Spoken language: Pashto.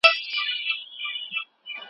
حقوقپوهان څنګه د کډوالو ستونزي حل کوي؟